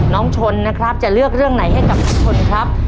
น้องชนนะครับจะเลือกเรื่องไหนให้กับน้องชนครับ